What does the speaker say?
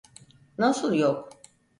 Nasıl yok?